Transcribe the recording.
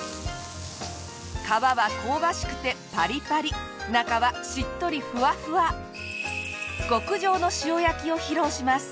皮は香ばしくてパリパリ中はしっとりふわふわ。を披露します。